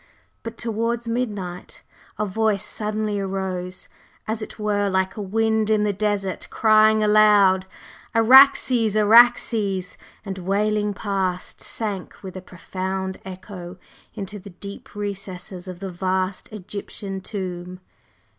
But towards midnight a Voice suddenly arose as it were like a wind in the desert, crying aloud: "Araxes! Araxes!" and wailing past, sank with a profound echo into the deep recesses of the vast Egyptian tomb.